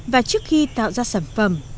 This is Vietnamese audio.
và trước khi tạo ra sản phẩm